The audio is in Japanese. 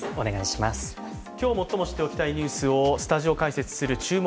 今日、最も知っておきたいニュースをスタジオ解説する「注目！